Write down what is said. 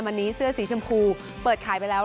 วันนี้เสื้อสีชมพูเปิดขายไปแล้ว